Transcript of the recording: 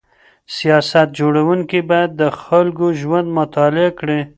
سیاست جوړونکي باید د خلکو ژوند مطالعه کړي.